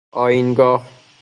آیین گاه